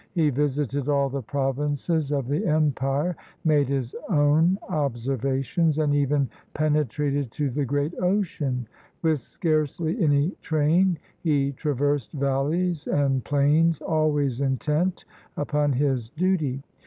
He visited all the provinces of the empire, made his own observations, and even penetrated to the great ocean. With scarcely any train he traversed valleys and plains, always intent upon his duty.